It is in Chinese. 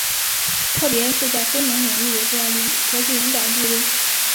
特别是在风能领域有着国际领导地位。